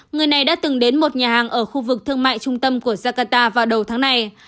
người này đã từng đến một nhà hàng ở khu vực thương mại trung tâm của jakarta vào đầu tháng này